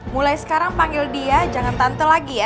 mulai sekarang panggil dia jangan tante lagi ya